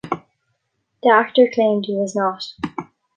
The actor claimed he was not.